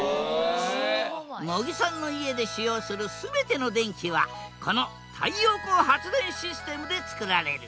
茂木さんの家で使用する全ての電気はこの太陽光発電システムで作られる。